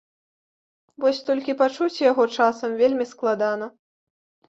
Вось толькі пачуць яго часам вельмі складана.